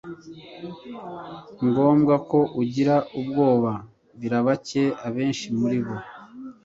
ngombwa ko ugira ubwoba Birabake Abenshi muri bo